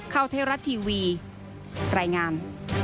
เข้าเทราะทีวีแรงงาน